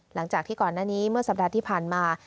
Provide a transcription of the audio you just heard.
หลังจากที่ก่อนหน้านี้เมื่อสัปดาห์ที่ผ่านมา